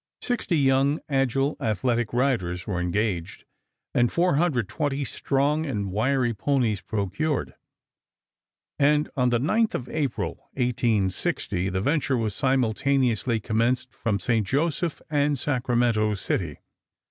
Sixty young, agile, athletic riders were engaged and 420 strong and wiry ponies procured, and on the 9th of April, 1860, the venture was simultaneously commenced from St. Joseph and Sacramento City.